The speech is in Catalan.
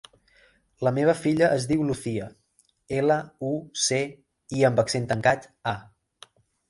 La meva filla es diu Lucía: ela, u, ce, i amb accent tancat, a.